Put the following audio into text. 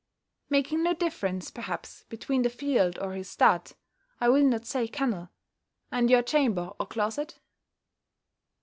Making no difference, perhaps, between the field or his stud (I will not say kennel) and your chamber or closet?